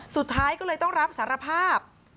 สุดท้ายก็เลยต้องรับสารภาพ